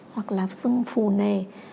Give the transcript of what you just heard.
hoặc là xương phù nề